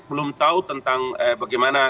belum tahu tentang bagaimana